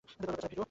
বেচারা, ভিরু!